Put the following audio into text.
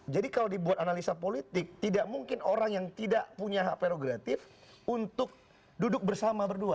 jadi kalau dibuat analisa politik tidak mungkin orang yang tidak punya hak prerogatif untuk duduk bersama berdua